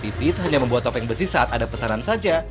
pipit hanya membuat topeng besi saat ada pesanan saja